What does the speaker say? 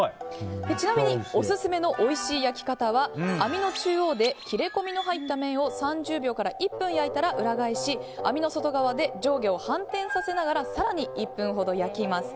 ちなみにオススメのおいしい焼き方は網の中央で切れ込みの入った面を３０秒から１分焼いたら裏返し、網の外側で上下を反転させながら更に１分ほど焼きます。